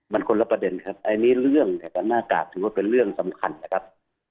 มันคนละประเด็นครับอันนี้เรื่องเนี่ยกับหน้ากากถือว่าเป็นเรื่องสำคัญนะครับ